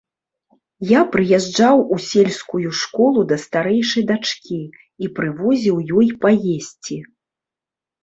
Я прыязджаў у сельскую школу да старэйшай дачкі і прывозіў ёй паесці.